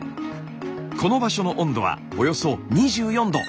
この場所の温度はおよそ２４℃。